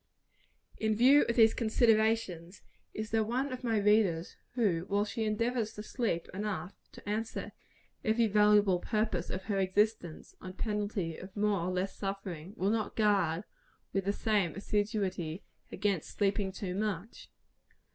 In view of these considerations, is there one of my readers, who, while she endeavors to sleep enough to answer every valuable purpose of her existence, on penalty of more or less suffering, will not guard, with the same assiduity, against sleeping too much?